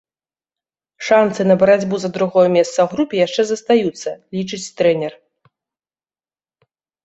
Шанцы на барацьбу за другое месца ў групе яшчэ застаюцца, лічыць трэнер.